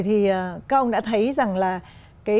các ông đã thấy rằng là